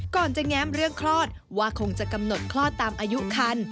ก่อนจะแง้มเรื่องคลอดว่าคงจะกำหนดคลอดตามอายุคัน